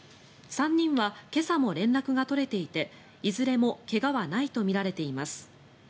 ３人は今朝も連絡が取れていていずれも怪我はないとみられています。